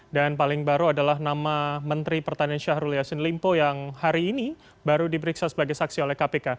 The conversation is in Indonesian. dan paling baru adalah nama menteri pertanian syahrul yassin limpo yang hari ini baru diperiksa sebagai saksi oleh kpk